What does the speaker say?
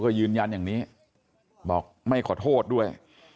ก็ยืนยันอย่างนี้บอกไม่ขอโทษด้วย